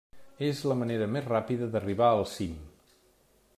És la manera més ràpida d'arribar al cim.